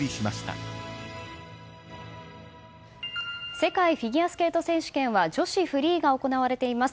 世界フィギュアスケート選手権は女子フリーが行われています。